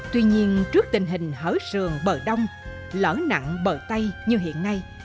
tuy nhiên trước tình hình hở sườn bờ đông lở nặng bờ tây như hiện nay